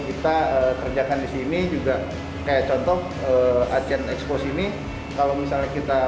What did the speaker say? kita kerjakan di sini juga kayak contoh asean expose ini kalau misalnya kita